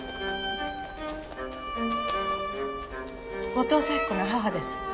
後藤咲子の母です。